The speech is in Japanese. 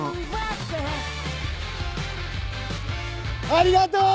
ありがとう！